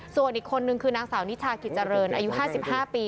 ส่วนอีกคนนึงคือนางสาวนิชากิจรรย์อายุห้าสิบห้าปี